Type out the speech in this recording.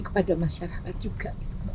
kepada masyarakat juga